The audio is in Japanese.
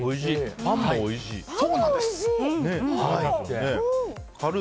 パンもおいしい。